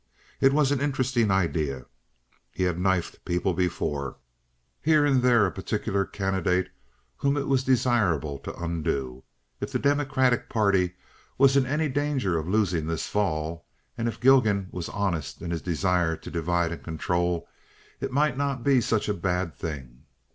It was an interesting idea. He had "knifed" people before—here and there a particular candidate whom it was desirable to undo. If the Democratic party was in any danger of losing this fall, and if Gilgan was honest in his desire to divide and control, it might not be such a bad thing.